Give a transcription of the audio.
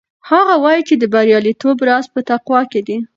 هغه وایي چې د بریالیتوب راز په تقوا کې دی.